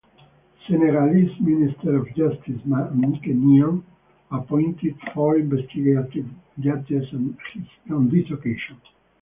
Senegalese Minister of Justice Madicke Niang appointed four investigative judges on this occasion.